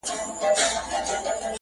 o غر که لوړ دئ، لار پر د پاسه ده٫